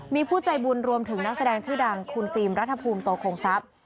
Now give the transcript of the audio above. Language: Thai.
มีผู้ใจบุญรวมถึงนักแสดงชื่อดังคุณฟิล์มรัฐภูมิโตโคงทรัพย์